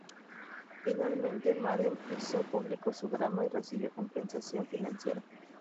Finalmente, Madden hizo público su drama y recibió compensación financiera.